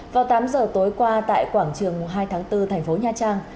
vào tám giờ tối qua tại quảng trường hai tháng bốn thành phố nha trang